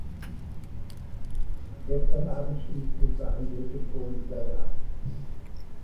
Gestern abend schließlich waren Bild und Ton wieder da.